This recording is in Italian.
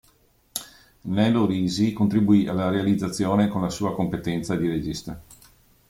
Nelo Risi contribuì alla realizzazione con la sua competenza di regista.